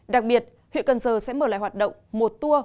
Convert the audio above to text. đặc biệt huyện cần giờ sẽ mở lại hoạt động một tour